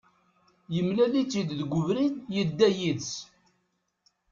Yemlal-itt-id deg ubrid, yedda yid-s.